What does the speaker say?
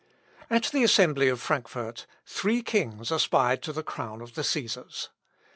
] At the assembly of Frankfort, three kings aspired to the crown of the Cæsars.